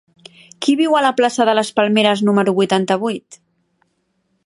Qui viu a la plaça de les Palmeres número vuitanta-vuit?